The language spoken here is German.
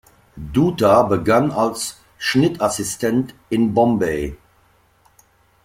Dutta begann als Schnittassistent in Bombay.